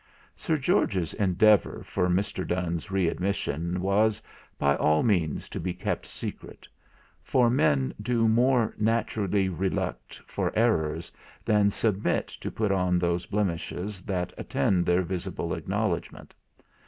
Sir George's endeavour for Mr. Donne's readmission was by all means to be kept secret: for men do more naturally reluct for errors than submit to put on those blemishes that attend their visible acknowledgment.